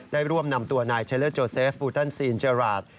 ได้ร่วมนำตัวนายเทลเลอร์โจเซฟฟูตันซีนเจอราช